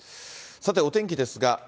さて、お天気ですが。